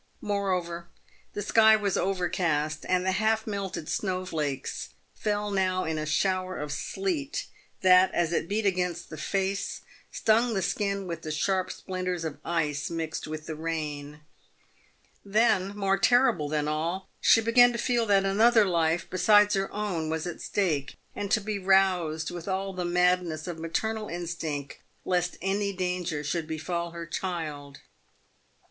Moreover, the sky was overcast, and the half melted snow flakes fell now in a shower of sleet, that, as it beat against the face, stung the skin with the sharp splinters of ice mixed with the rain. Then, more terrible than all, she began to feel that another life besides her own was at stake, and to be roused with all the madness of maternal instinct lest any danger should befal her child.